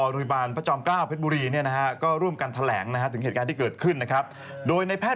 ด้วยการปวดท้องและจุกแน่นที่ลิ้นปี